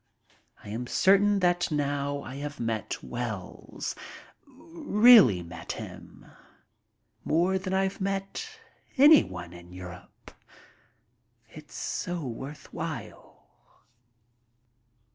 I am cer tain that now I have met Wells, really met him, more than I've met anyone in Europe. It's so worth while.